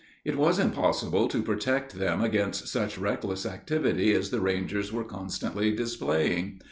It was impossible to protect them against such reckless activity as the Rangers were constantly displaying.